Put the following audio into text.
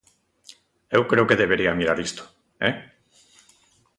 Eu creo que debería mirar isto, ¡eh!